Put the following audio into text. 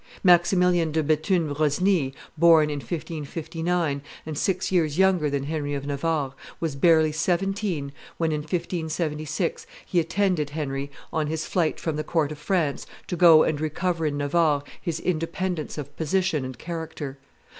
Maximilian de Bethune Rosny, born in 1559, and six years younger than Henry of Navarre, was barely seventeen when in 1576 he attended Henry on his flight from the court of France to go and recover in Navarre his independence of position and character.